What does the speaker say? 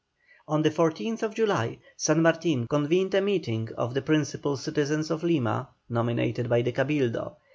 On the 14th July, San Martin convened a meeting of the principal citizens of Lima, nominated by the Cabildo.